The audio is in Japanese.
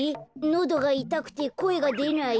のどがいたくてこえがでない？